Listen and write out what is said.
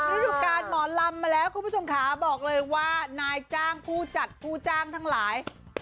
ฤดูการหมอลำมาแล้วคุณผู้ชมค่ะบอกเลยว่านายจ้างผู้จัดผู้จ้างทั้งหลาย